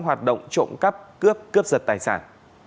hoạt động trộm cắp cướp cướp giật tài sản